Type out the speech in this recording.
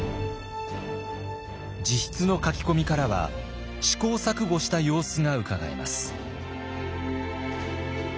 自筆の書き込みからは試行錯誤した様子がうかがえます。